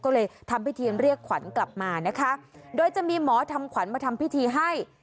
ก็เลยทำพิธีเรียกขวัญกลับมานะคะโดยจะมีหมอทำขวัญมาทำพิธีให้